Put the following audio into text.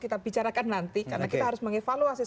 kita bicarakan nanti karena kita harus mengevaluasi